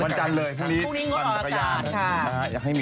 วันจันทร์เลยพรุ่งนี้ก็รออากาศค่ะ